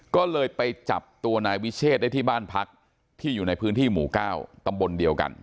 ก็เลยไปจับตัวนายวิเชษได้ที่บ้านพักที่อยู่ในพื้นที่หมู่๙ตำบลเดียวกัน